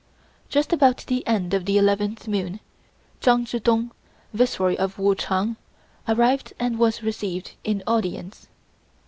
Just about the end of the eleventh moon Chang Chih Tung, Viceroy of Wuchang, arrived, and was received in audience.